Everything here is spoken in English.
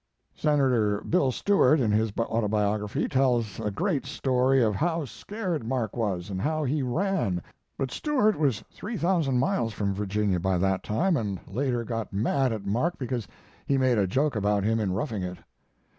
Senator Bill Stewart, in his Autobiography, tells a great story of how scared Mark was, and how he ran; but Stewart was three thousand miles from Virginia by that time, and later got mad at Mark because he made a joke about him in 'Roughing It'.